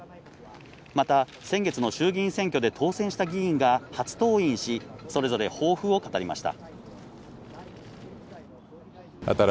また先月の衆議院選挙で当選した議員が初登院し、それぞれ抱負を語りました。